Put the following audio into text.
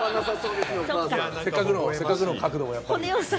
せっかくの角度がやっぱり。